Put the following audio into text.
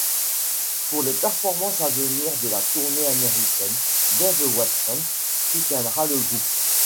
Pour les performances à venir de la tournée américaine, Dave Watson soutiendra le groupe.